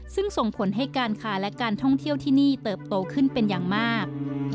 ซึ่งส่งผลให้การค้าและการท่องเที่ยวที่นี่เติบโตขึ้นเป็นอย่างมาก